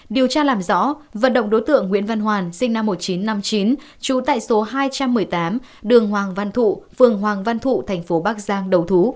điều tra làm rõ vận động đối tượng nguyễn văn hoàn sinh năm một nghìn chín trăm năm mươi chín trú tại số hai trăm một mươi tám đường hoàng văn thụ phường hoàng văn thụ thành phố bắc giang đầu thú